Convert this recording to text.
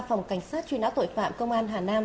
phòng cảnh sát chuyên áo tội phạm công an hà nam